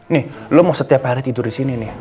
nih lo mau setiap hari tidur disini nih